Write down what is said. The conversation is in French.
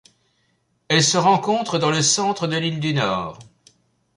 Elle se rencontre dans le centre de l'île du Nord.